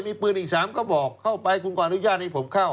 มีปืนอีก๓กระบอกเข้าไปคุณก็อนุญาตให้ผมเข้า